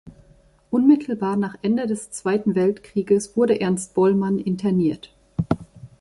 Unmittelbar nach Ende des Zweiten Weltkrieges wurde Ernst Bollmann interniert.